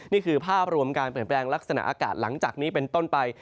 นี่คือภาพรวมการเปลี่ยนแปลงลักษณะอากาศหลังจากนี้เป็นต้นไป